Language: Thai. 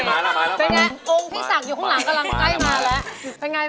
มาฟังอินโทรเพลงที่๘